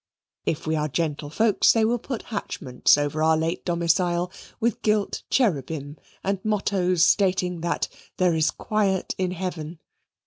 If we are gentlefolks they will put hatchments over our late domicile, with gilt cherubim, and mottoes stating that there is "Quiet in Heaven."